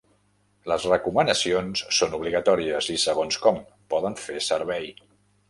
Les recomanacions són obligatòries i, segons com, poden fer servei.